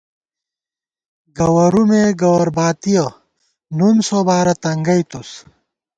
گوَرُومے گوَر باتِیَہ ، نُن سوبارہ تنگئی تُس